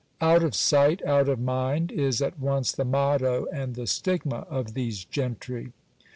Out of sight out of mind ! is at once the motto and the stigma of these gentry.